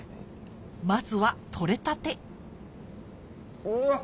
まずは取れたてうわっ！